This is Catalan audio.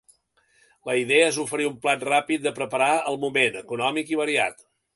La idea és oferir un plat ràpid de preparar al moment, econòmic i variat.